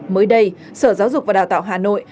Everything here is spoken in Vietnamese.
mới đây sở giáo dục và đào tạo hà nội